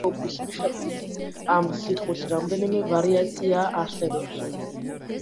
ადგილმდებარეობის მიხედვით ამ სიტყვის რამდენიმე ვარიაცია არსებობს.